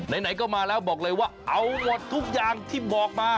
ไหนก็มาแล้วบอกเลยว่าเอาหมดทุกอย่างที่บอกมา